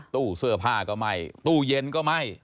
ตู้เสื้อผ้าก็ไหม้ตู้เย็นก็ไหม้